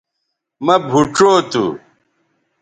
مہ بھوچو تھو